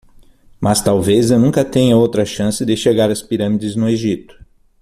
Mas talvez eu nunca tenha outra chance de chegar às pirâmides no Egito.